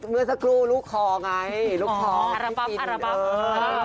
เมื่อสักครู่ลูกคอไงนี่ก่อนพี่จินเนี่ยเออ